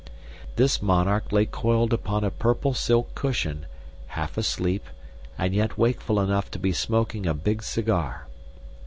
This monarch lay coiled upon a purple silk cushion, half asleep and yet wakeful enough to be smoking a big cigar.